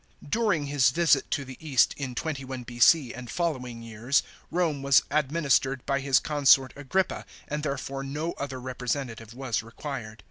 During his visit to the East in 21 B.C., and following years, Rome was administered by his consort Agrippa, and therefore no other representative was required.